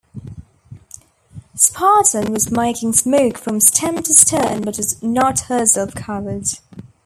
"Spartan" was making smoke from stem to stern but was not herself covered.